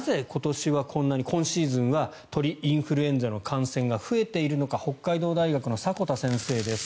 なぜ今シーズンはこんなに鳥インフルエンザの感染が増えているのか北海道大学の迫田先生です。